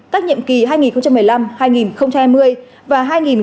các nhiệm kỳ hai nghìn một mươi năm hai nghìn hai mươi và hai nghìn hai mươi hai nghìn hai mươi năm